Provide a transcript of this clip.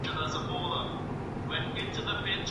د احنافو په نزد قضاءً سليمه طلاقه سوه.